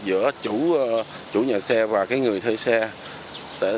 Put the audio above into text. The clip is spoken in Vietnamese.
giữa chủ nhà xe và người thuê xe